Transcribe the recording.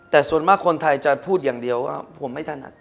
แต่ส่วนมากคนไทยจะพูดอย่างเดียวว่าผมไม่ถนัด